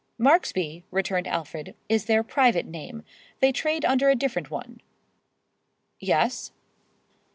"Marksby," returned Alfred, "is their private name. They trade under a different one." "Yes?"